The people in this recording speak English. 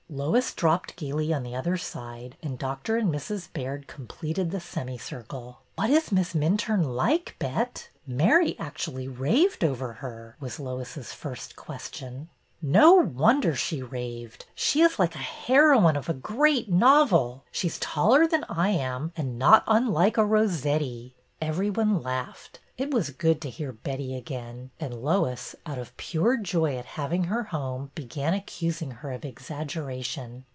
Lois dropped gayly on the other side and Dr. and Mrs. Baird completed the semicircle. ''What is Miss Minturne like, Bet? Mary actually raved over her," was Lois's first question. " No wonder she raved ! She is like a heroine of a great novel. She's taller than I am, and not unlike a Rossetti." MISS MINTURNE 28 1 Every one laughed. It was good to hear Betty again, and Lois, out of pure joy at having her home, began accusing her of exaggeration.